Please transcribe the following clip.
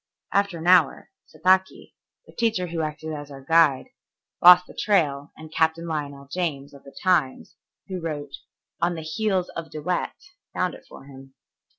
After an hour, Sataki, the teacher who acted as our guide, lost the trail and Captain Lionel James, of the Times, who wrote "On the Heels of De Wet," found it for him.